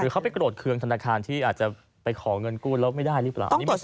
คือเขาไปโกรธเครื่องธนาคารที่อาจจะไปขอเงินกู้แล้วไม่ได้หรือเปล่า